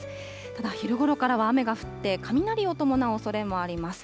ただ、昼ごろからは雨が降って、雷を伴うおそれもあります。